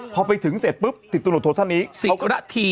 พอไปถึงเสร็จปุ๊บสิบตำรวจโทรท่านนี้สิบละทีอ่าสิบละที